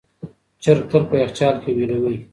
چرګ تل په یخچال کې ویلوئ.